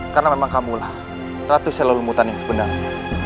karena memang kamu lah ratu selalu mutan yang sebenarnya